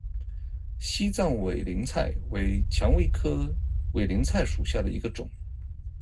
西藏委陵菜为蔷薇科委陵菜属下的一个种。